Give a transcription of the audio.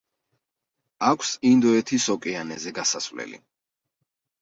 აქვს ინდოეთის ოკეანეზე გასასვლელი.